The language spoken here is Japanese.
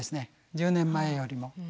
１０年前よりも。